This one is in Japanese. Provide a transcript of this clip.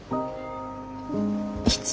いつ？